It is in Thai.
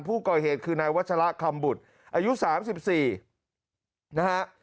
ผู้ก่อยเหตุคือนายวัชละคำบุตรอายุสามสิบสี่นะฮะ